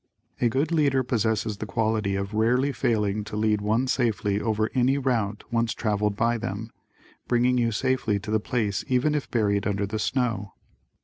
A good leader possesses the quality of rarely failing to lead one safely over any route once traveled by them, bringing you safely to the place even if buried under the snow.